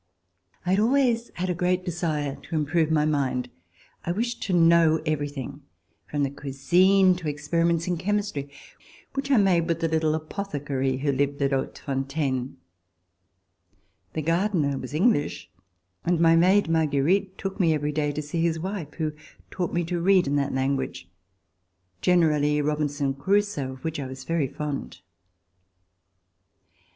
I had always had a great desire to improve my mind. I wished to know everything, from the cuisine to experiments in chemistry, which I made with a little apothecary who lived at Hautefontaine. The [II] RECOLLECTIONS OF THE REVOLUTION gardener was English, and my maid Marguerite took me every day to see his wife who taught me to read in that language, generally "Robinson Crusoe," of which I was very fond.